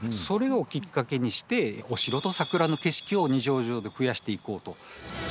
それをきっかけにしてお城と桜の景色を二条城で増やしていこうと。